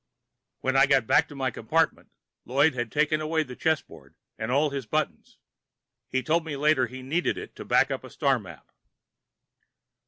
When I got back to my compartment, Lloyd had taken away the chessboard and all his buttons. He told me later he needed it to back up a star map.